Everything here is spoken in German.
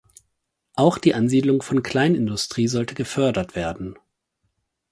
Auch die Ansiedlung von Kleinindustrie sollte gefördert werden.